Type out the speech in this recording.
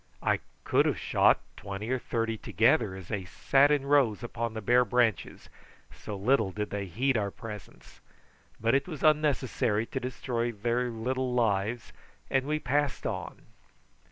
I could have shot twenty or thirty together as they sat in rows upon the bare branches, so little did they heed our presence; but it was unnecessary to destroy their little lives, and we passed on.